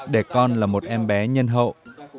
để con là một em bé nhân hậu